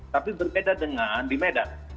tapi berbeda dengan di medan